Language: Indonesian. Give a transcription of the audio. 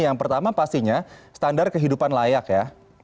yang pertama pastinya standar kehidupan layak ya